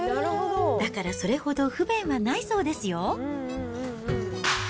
だからそれほど不便はないそうですよ。